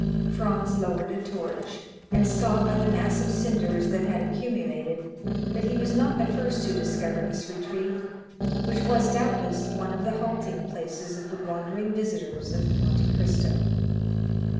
Franz lowered a torch, and saw by the mass of cinders that had accumulated that he was not the first to discover this retreat, which was, doubtless, one of the halting places of the wandering visitors of Monte Cristo.